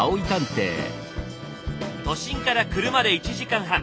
都心から車で１時間半。